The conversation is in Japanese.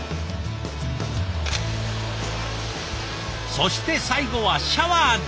そして最後はシャワーで。